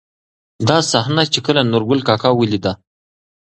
دا صحنه، چې کله نورګل کاکا ولېده.